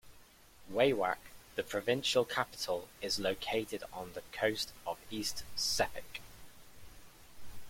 Wewak, the provincial capital, is located on the coast of East Sepik.